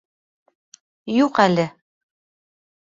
Юҡ әле.